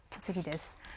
次です。